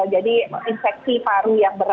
jadi infeksi paru